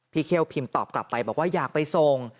เคี่ยวพิมพ์ตอบกลับไปบอกว่าอยากไปส่ง